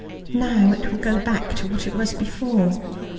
Now it will go back to what it was before."